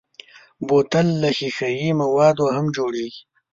بوتل له ښیښهيي موادو هم جوړېږي.